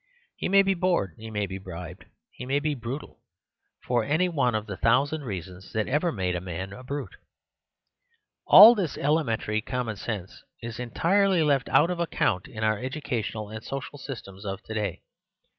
He may be bored; he may be bribed; he may be brutal, for any one of the thousand reasons that ever made a man a brute. All this elementary common sense is entirely left out of account in our educational and social systems of to day.